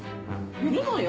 いるのよ。